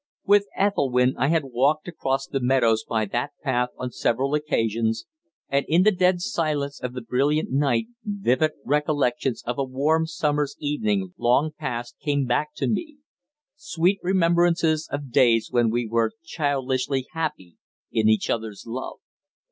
With Ethelwynn I had walked across the meadows by that path on several occasions, and in the dead silence of the brilliant night vivid recollections of a warm summer's evening long past came back to me sweet remembrances of days when we were childishly happy in each other's love.